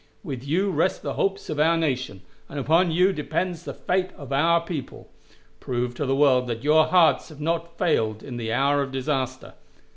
With you rest the hopes of our nation, and upon you depends the fate of our people. ... Prove to the world that your hearts have not failed in the hour of disaster. ..